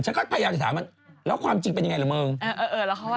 ฉันก็พยายามจะถามมันแล้วความจริงเป็นยังไงเหรอมึงเออเออแล้วเขาไหว